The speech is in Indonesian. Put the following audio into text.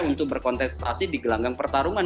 untuk berkontestasi di gelanggang pertarungan